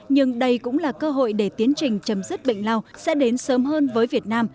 nhưng đây cũng là cơ hội để tiến trình chấm dứt bệnh lao sẽ đến sớm hơn với việt nam